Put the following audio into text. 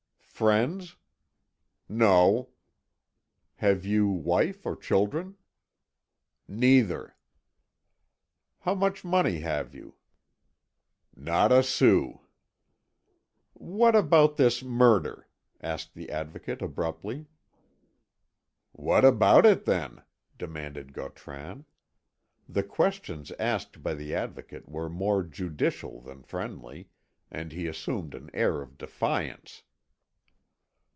"Friends?" "No." "Have you wife or children?" "Neither." "How much money have you?" "Not a sou." "What about this murder?" asked the Advocate abruptly. "What about it, then?" demanded Gautran. The questions asked by the Advocate were more judicial than friendly, and he assumed an air of defiance.